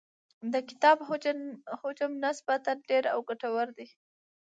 د کتاب حجم نسبتاً ډېر او ګټور دی.